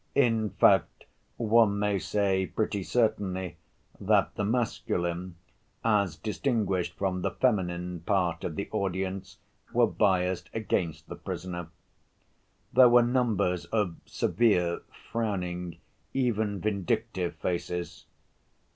In fact, one may say pretty certainly that the masculine, as distinguished from the feminine, part of the audience were biased against the prisoner. There were numbers of severe, frowning, even vindictive faces.